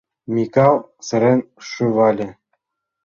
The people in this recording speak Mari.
— Микал сырен шӱвале.